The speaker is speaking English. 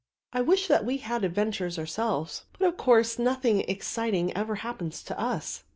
I wish that we had adventures ourselves, but of course nothing exciting ever happens to us."